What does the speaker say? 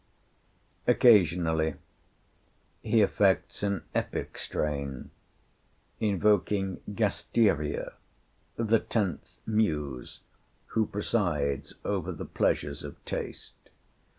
Occasionally he affects an epic strain, invoking Gasteria, "the tenth muse, who presides over the pleasures of taste."